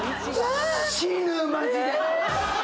死ぬ、マジで。